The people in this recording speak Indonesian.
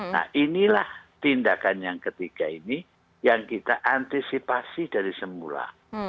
nah inilah tindakan yang ketiga ini yang kita antisipasi dari semula